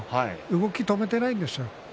動きを止めていないんです。